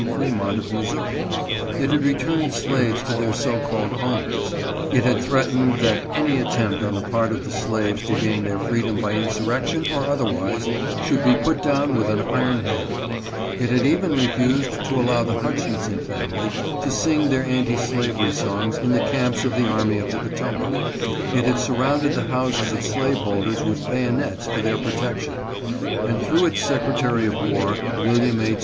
Fremont in Missouri ; it had returned slaves to their so called owners ; it had threatened that any attempt on the part of the slaves to gain their freedom by insurrection, or otherwise, should be put down with an iron hand ; it had even refused to allow the Hutchinson family to sing their anti slavery songs in the camps of the Army of the Potomac ; it had sur rounded the houses of slaveholders with bayonets for their protection ; and through its secretary of war, Wil liam H.